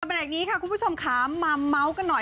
เบรกนี้ค่ะคุณผู้ชมค่ะมาเมาส์กันหน่อย